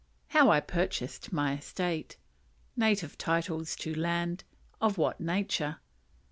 How I purchased my Estate. Native Titles to Land, of what Nature.